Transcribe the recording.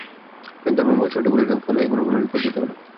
যদি ধর্মের মূল সুরটি ভুলে যাও, তাহলে এগুলোর কোনোটাই কাজে দেবে না।